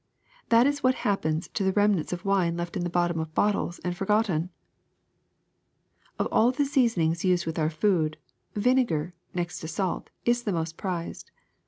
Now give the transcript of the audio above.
That is what happens to the remnants of wine left in the bottom of bottles and forgotten. *^0f all the seasonings used with our food, vine gar, next to salt, is the most prized.